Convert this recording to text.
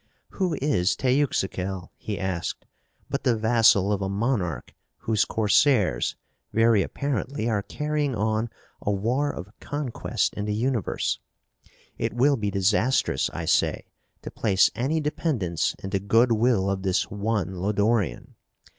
"Who is Teuxical," he asked, "but the vassal of a monarch whose corsairs, very apparently, are carrying on a war of conquest in the universe? It will be disastrous, I say, to place any dependence in the good will of this one Lodorian.